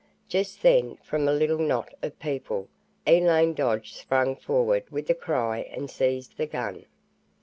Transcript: Just then, from a little knot of people, Elaine Dodge sprang forward with a cry and seized the gun.